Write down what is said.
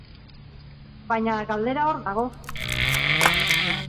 Baina galdera hor dago.